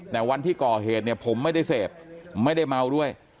แต่วันที่ก่อเหตุเนี่ยผมไม่ได้เสพไม่ได้เมาด้วย